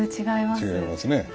違いますね。